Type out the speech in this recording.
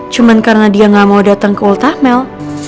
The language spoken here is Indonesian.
cuma karena dia gak mau datang ke ultah mel